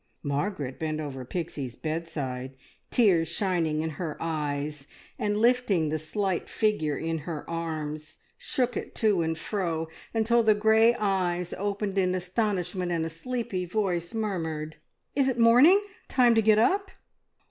Margaret bent over Pixie's bedside, tears shining in her eyes, and lifting the slight figure in her arms, shook it to and fro, until the grey eyes opened in astonishment, and a sleepy voice murmured "Is't morning? Time get up?"